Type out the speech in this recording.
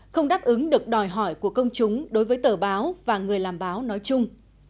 không đáp ứng được đòi hỏi của công chúng đối với tờ báo và người làm báo nói chung